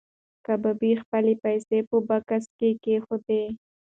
کبابي خپلې پیسې په بکس کې کېښودې.